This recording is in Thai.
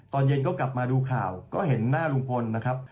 ตอนเย็นก็กลับมาดูข่าวก็เห็นหน้าลุงพลนะครับ